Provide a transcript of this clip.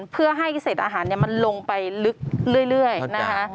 เพื่อให้เศษอาหารมันลงไปลึกเรื่อยนะคะ